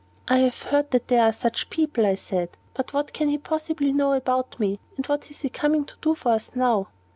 "I have heard that there are such people," I said; "but what can he possibly know about me? And what is he coming to do for us now?"